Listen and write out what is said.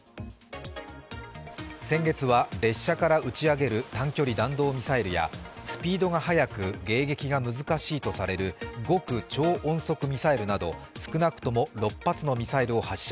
先月は列車から打ち上げる短距離弾道ミサイルやスピードが速く迎撃が難しいとされる極超音速ミサイルなど少なくとも６発のミサイルを発射。